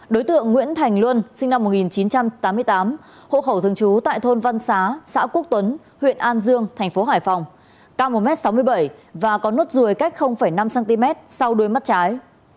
đối tượng nguyễn thành luân sinh năm một nghìn chín trăm tám mươi tám hộ khẩu thường trú tại thôn văn xá xã quốc tuấn huyện an dương thành phố hải phòng cao một m sáu mươi bảy và có nốt ruồi cách năm cm sau đuôi mắt trái